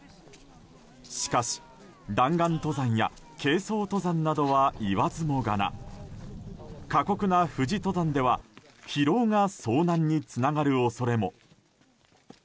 しかし、弾丸登山や軽装登山などは言わずもがな過酷な富士登山では疲労が遭難につながる恐れも。